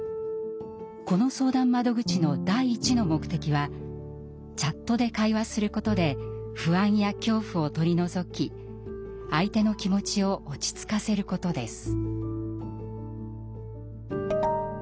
この相談窓口の第一の目的はチャットで会話することで不安や恐怖を取り除き相手の気持ちを落ち着かせることです。